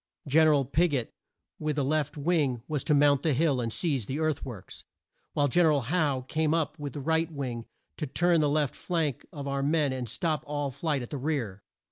Gen er al Pig ot, with the left wing, was to mount the hill and seize the earth works, while Gen er al Howe came up with the right wing to turn the left flank of our men and stop all flight at the rear.